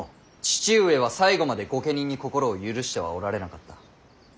父上は最後まで御家人に心を許してはおられなかった。